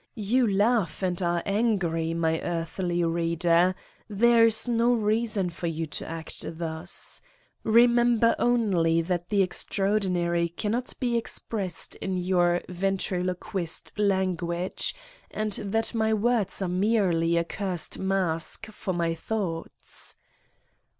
You laugh and are angry, my earthy reader? There is no reason for you to act thus. Remem ber only that the extraordinary cannot be ex pressed in your ventriloquist language and that my words are merely a cursed mask for my thoughts.